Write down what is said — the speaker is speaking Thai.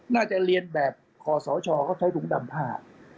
น่าจะเรียนแบบคอสชเขาใช้ถุงดำผ้า